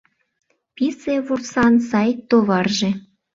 Писе вурсан сай товарже